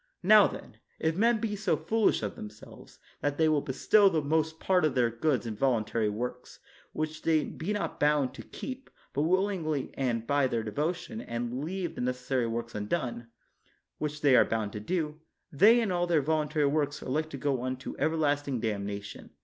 Now, then, if men be so foolish of themselves, that they will bestow the most part of their goods in voluntary works, which they be not bound to keep, but willingly and by their devotion, and leave the necessary works undone, which they are bound to do, they and all their voluntary works are like to go unto everlasting damnation.